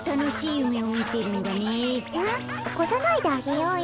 うんおこさないであげようよ。